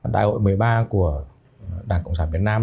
đại hội một mươi ba của đảng cộng sản việt nam